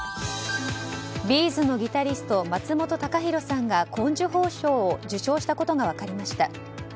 ’ｚのギタリスト松本孝弘さんが紺綬褒章を受章したことが分かりました。